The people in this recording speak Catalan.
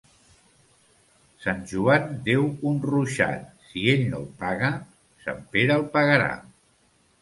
Sant Joan deu un ruixat; si ell no el paga, Sant Pere el pagarà.